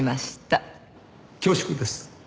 恐縮です。